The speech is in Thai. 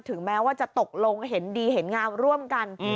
แม้ว่าจะตกลงเห็นดีเห็นงามร่วมกัน